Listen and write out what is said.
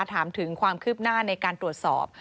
ถามถึงความคืบหน้าในการตรวจสอบ